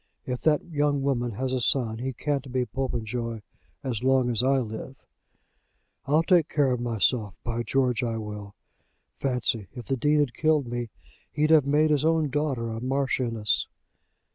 If that young woman has a son he can't be Popenjoy as long as I live. I'll take care of myself. By George I will. Fancy, if the Dean had killed me. He'd have made his own daughter a Marchioness."